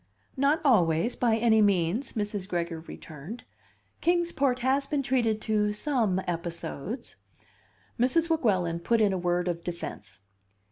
"Not always, by any means," Mrs. Gregory returned. "Kings Port has been treated to some episodes " Mrs. Weguelin put in a word of defence.